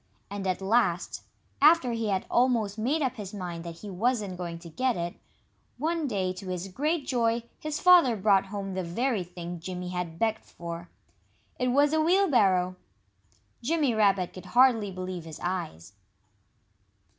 And at last, after he had almost made up his mind that he wasn't going to get it, one day to his great joy his father brought home the very thing Jimmy had begged for. It was a wheelbarrow! Jimmy Rabbit could hardly believe his eyes.